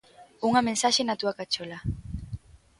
Unha mensaxe na túa cachola.